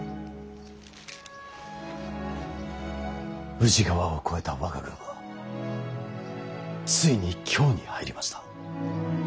宇治川を越えた我が軍はついに京に入りました。